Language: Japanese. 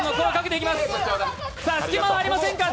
隙間はありませんか？